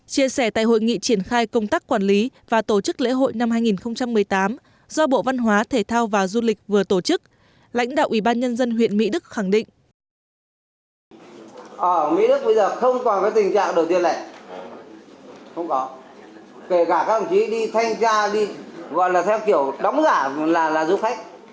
chia sẻ tại hội nghị triển khai công tác quản lý và tổ chức lễ hội năm hai nghìn một mươi tám do bộ văn hóa thể thao và du lịch vừa tổ chức lãnh đạo ủy ban nhân dân huyện mỹ đức khẳng định